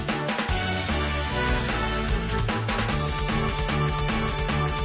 กลายเป้าหมดอย่างเป้าหมด